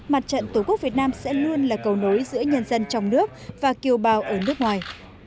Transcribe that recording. mặt trận tổ quốc việt nam sẽ luôn là cầu nối giữa nhân dân trong nước và kiều bào ở nước ngoài